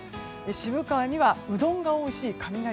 渋川にはうどんがおいしい雷亭。